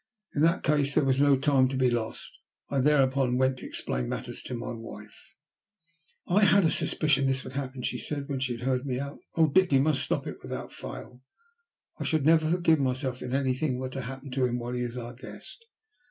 In that case there was no time to be lost. I thereupon went to explain matters to my wife. "I had a suspicion that this would happen," she said, when she had heard me out. "Oh, Dick! you must stop it without fail. I should never forgive myself if anything were to happen to him while he is our guest.